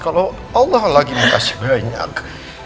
kalau allah lagi makasih banyak